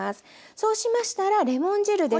そうしましたらレモン汁です。